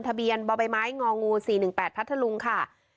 ทะเบียนบ่อใบไม้งองู๔๑๘พัทธลุงค่ะ